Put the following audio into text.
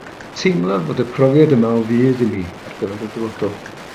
Teimlaf fod y profiad yma o fudd i mi ar gyfer y dyfodol